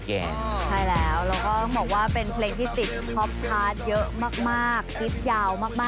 ใช่แล้วแล้วก็ต้องบอกว่าเป็นเพลงที่ติดท็อปชาร์จเยอะมากคิดยาวมาก